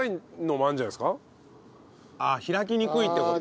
ああ開きにくいって事？